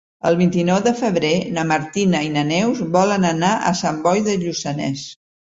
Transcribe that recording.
El vint-i-nou de febrer na Martina i na Neus volen anar a Sant Boi de Lluçanès.